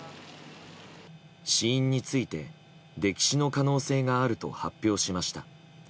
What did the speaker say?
死因について、溺死の可能性があると発表しました。